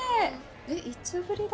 えっいつぶりだ？